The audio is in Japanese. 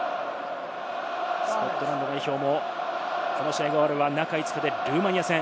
スコットランド代表も、この試合が終われば、中５日でルーマニア戦。